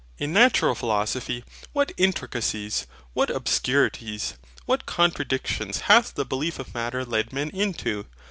In Natural Philosophy, what intricacies, what obscurities, what contradictions hath the belief of Matter led men into!